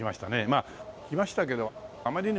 まあ来ましたけどあまりにもね